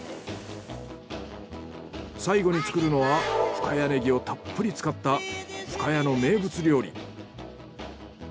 最後に作るのは深谷ネギをたっぷり使った深谷の名物料理。